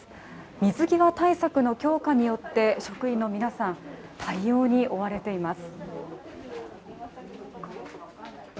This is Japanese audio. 水際対策の強化によって、職員の皆さん、対応に追われています。